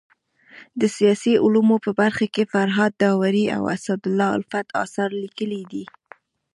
د سیاسي علومو په برخه کي فرهاد داوري او اسدالله الفت اثار ليکلي دي.